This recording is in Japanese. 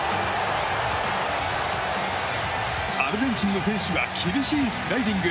アルゼンチンの選手が厳しいスライディング。